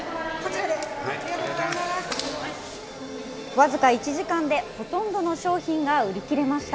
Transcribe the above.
僅か１時間でほとんどの商品が売り切れました。